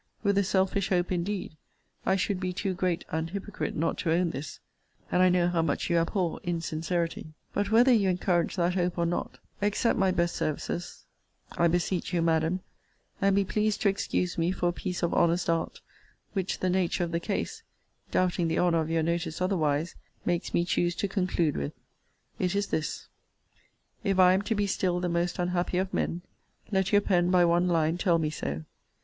With a selfish hope indeed: I should be too great an hypocrite not to own this! and I know how much you abhor insincerity. But, whether you encourage that hope or not, accept my best services, I beseech you, Madam: and be pleased to excuse me for a piece of honest art, which the nature of the case (doubting the honour of your notice otherwise) makes me choose to conclude with it is this: If I am to be still the most unhappy of men, let your pen by one line tell me so.